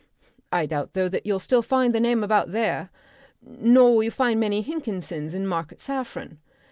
I doubt though if you'll still find the name about there. Nor will you find many Hinkinsons in Market Saffron.